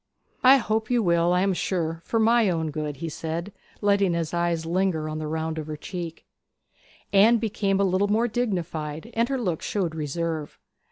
'I hope you will, I am sure, for my own good,' said he, letting his eyes linger on the round of her cheek. Anne became a little more dignified, and her look showed reserve.